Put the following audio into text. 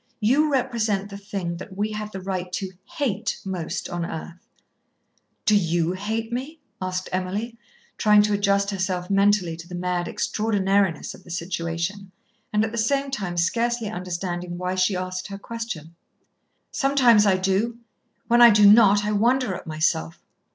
You represent the thing that we have the right to hate most on earth." "Do you hate me?" asked Emily, trying to adjust herself mentally to the mad extraordinariness of the situation, and at the same time scarcely understanding why she asked her question. "Sometimes I do. When I do not I wonder at myself."